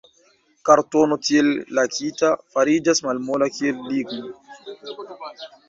Kartono, tiel lakita, fariĝas malmola, kiel ligno.